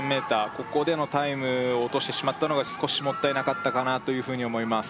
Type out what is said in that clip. ここでのタイム落としてしまったのが少しもったいなかったかなというふうに思います